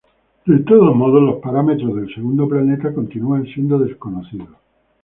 De todos modos, los parámetros del segundo planeta continúan siendo desconocidos.